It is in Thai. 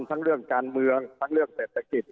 ทั้งเรื่องการเมืองทั้งเรื่องเศรษฐกิจ